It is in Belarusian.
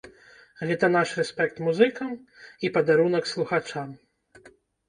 Гэта наш рэспект музыкам і падарунак слухачам!